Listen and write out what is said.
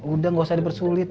udah gak usah dipersulit